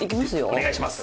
お願いします。